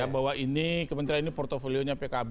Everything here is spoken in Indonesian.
bahwa ini kementerian ini portfolio nya pkb